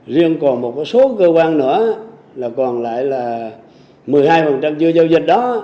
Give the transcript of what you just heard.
riêng còn một số cơ quan nữa là còn lại là một mươi hai chưa giao danh đó